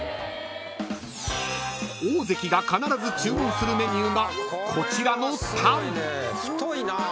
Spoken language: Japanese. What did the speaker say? ［大関が必ず注文するメニューがこちらの］